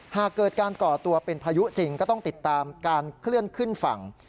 หากเกิดการก่อตัวเป็นพายุจริงก็ต้องติดตามการเคลื่อนขึ้นฝั่ง